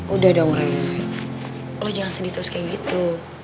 udah dong rey lo jangan sedih terus kayak gitu